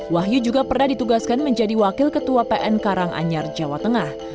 wahyu juga pernah ditugaskan menjadi wakil ketua pn karanganyar jawa tengah